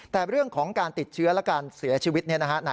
แต่เรื่องของการติดเชื้อและการเสียชีวิตเนี่ยนะฮะ